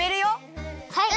はい！